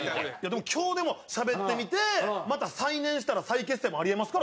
でも今日しゃべってみてまた再燃したら再結成もあり得ますからね。